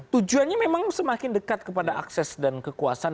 tujuannya memang semakin dekat kepada akses dan kekuasaan